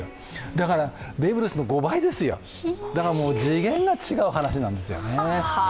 だからベーブ・ルースの５倍ですよだから次元が違う話なんですよね。